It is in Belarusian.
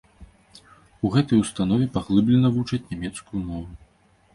У гэтай установе паглыблена вучаць нямецкую мову.